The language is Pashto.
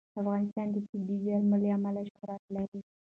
افغانستان د طبیعي زیرمې له امله شهرت لري.